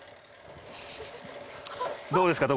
どうですか？